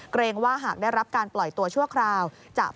เกรงว่าหากได้รับการปล่อยตัวช่วงคราวจะไปยุ่งเหงกับ